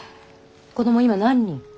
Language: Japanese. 子供今何人？